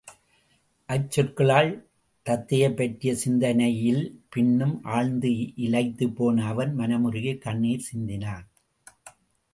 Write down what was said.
அச் சொற்களால் தத்தையைப் பற்றிய சிந்தனையில் பின்னும் ஆழ்ந்து இலயித்துப்போன அவன், மனமுருகிக் கண்ணிர் சிந்தினான்.